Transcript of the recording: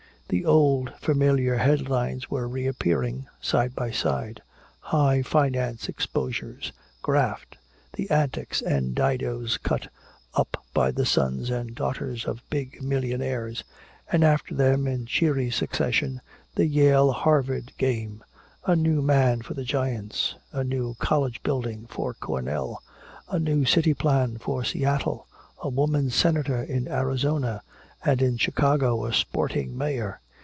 The old familiar headliness were reappearing side by side high finance exposures, graft, the antics and didos cut up by the sons and daughters of big millionaires; and after them in cheery succession the Yale Harvard game, a new man for the Giants, a new college building for Cornell, a new city plan for Seattle, a woman senator in Arizona and in Chicago a "sporting mayor."